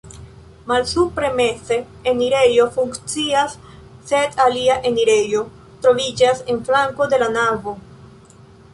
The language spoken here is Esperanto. Malsupre meze enirejo funkcias, sed alia enirejo troviĝas en flanko de la navo.